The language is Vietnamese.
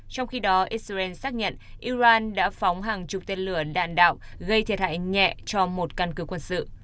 trong khi đó israel xác nhận iran đã phóng hàng chục tên lửa đạn đạo gây thiệt hại nhẹ cho một căn cứ quân sự